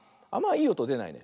いいおとでないね。